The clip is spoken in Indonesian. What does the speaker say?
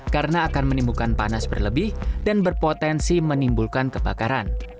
karena akan menimbulkan panas berlebih dan berpotensi menimbulkan kebakaran